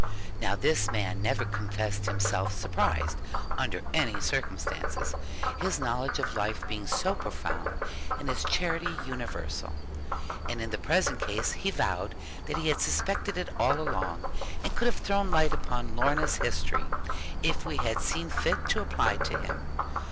Now this man never confessed himself surprised, under any circumstances; his knowledge of life being so profound, and his charity universal. And in the present case he vowed that he had suspected it all along, and could have thrown light upon Lorna's history, if we had seen fit to apply to him.